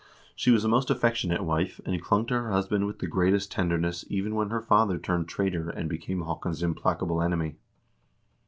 She was a most affectionate wife, and clung to her husband with the greatest tenderness even when her father turned traitor and became Haakon's implacable enemy.